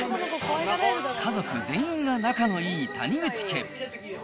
家族全員が仲のいい谷口家。